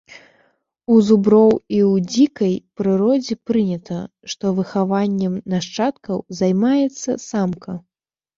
У зуброў і ў дзікай прыродзе прынята, што выхаваннем нашчадкаў займаецца самка.